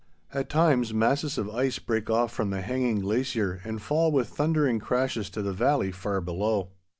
At times, masses of ice break off from the hanging glacier and fall with thundering crashes to the valley far below.